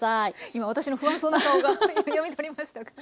今私の不安そうな顔が読み取りましたか。